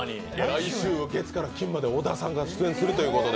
来週月から金まで小田さんが出演するということで。